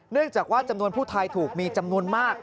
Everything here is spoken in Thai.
เนื่องจากว่าจำนวนผู้ทายถูกมีจำนวนมาก